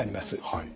はい。